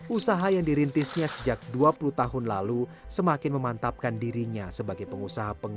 usaha yang dirintisnya sejak dua puluh tahun lalu semakin memantapkan dirinya sebagai pengusaha